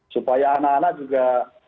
supaya anak anak juga